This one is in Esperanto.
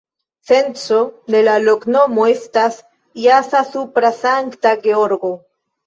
Senco de la loknomo estas: jasa-supra-Sankta-Georgo.